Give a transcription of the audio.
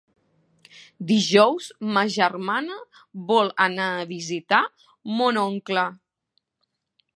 Dijous ma germana vol anar a visitar mon oncle.